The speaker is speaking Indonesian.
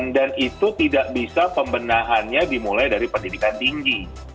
dan itu tidak bisa pembenahannya dimulai dari pendidikan tinggi